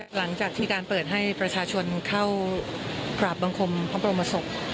หลังจากที่การเปิดให้ประชาชนเข้ากราบบังคมพระบรมศพ